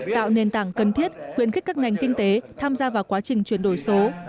tạo nền tảng cần thiết khuyến khích các ngành kinh tế tham gia vào quá trình chuyển đổi số